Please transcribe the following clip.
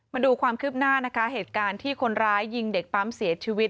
มาดูความคืบหน้านะคะเหตุการณ์ที่คนร้ายยิงเด็กปั๊มเสียชีวิต